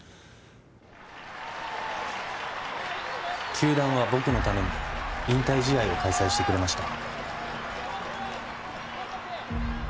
球団は僕のために引退試合を開催してくれました